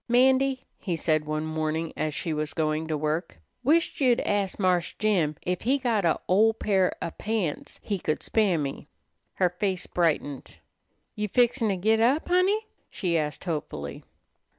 "'Mandy," he said one morning as she was going to work, "wished you'd ast Marse Jim ef he got a' ol' pair of pants he could spare me." Her face brightened. "You fixin' to git up, Honey?" she asked hopefully.